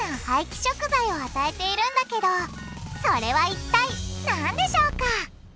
廃棄食材を与えているんだけどそれはいったいなんでしょうか？